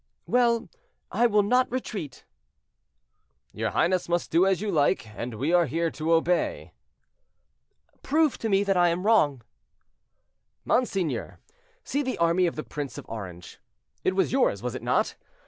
"Well, I will not retreat." "Your highness must do as you like; and we are here to obey." "Prove to me that I am wrong." "Monseigneur, see the army of the Prince of Orange. It was yours, was it not?